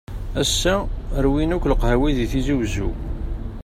Ass-a, rwin akk leqhawi di Tizi Wezzu.